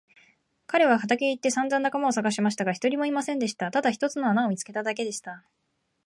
彼は畑へ行ってさんざん仲間をさがしましたが、一人もいませんでした。ただ一つの穴を見つけただけでした。